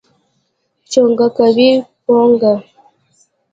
چونګ کوې که پونګ؟